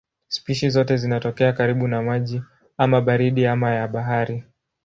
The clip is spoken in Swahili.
Spishi zote zinatokea karibu na maji ama baridi ama ya bahari.